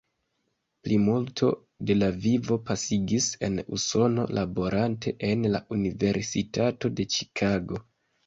Plimulton de la vivo pasigis en Usono, laborante en la Universitato de Ĉikago.